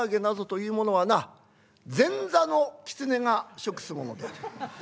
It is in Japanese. なぞというものはな前座のキツネが食すものである。